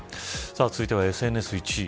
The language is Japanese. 続いては、ＳＮＳ１位。